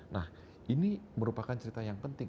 nah ini merupakan cerita yang penting